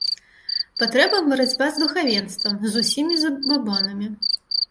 Патрэбна барацьба з духавенствам, з усімі забабонамі.